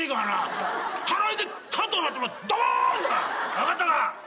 分かったか？